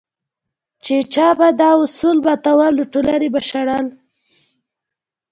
چې چا به دا اصول ماتول نو ټولنې به شړل.